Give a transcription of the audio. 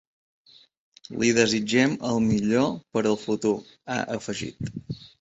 “Li desitgem el millor per al futur”, ha afegit.